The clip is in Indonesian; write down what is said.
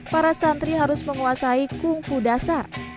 para santri harus menguasai kungfu dasar